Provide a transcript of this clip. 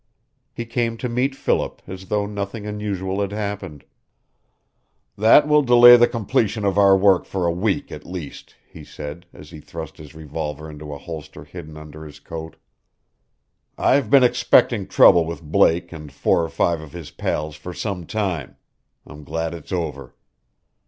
He came to meet Philip, as though nothing unusual had happened. "That will delay the completion of our work for a week at least," he said, as he thrust his revolver into a holster hidden under his coat. "I've been expecting trouble with Blake and four or five of his pals for some time. I'm glad it's over.